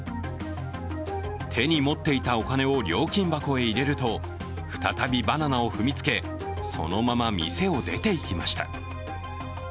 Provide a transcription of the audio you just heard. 手に持っていたお金を料金箱へ入れると、再びバナナを踏みつけ、そのまま店を出ていきました。